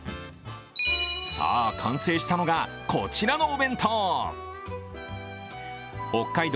さぁ、完成したのがこちらのお弁当北海道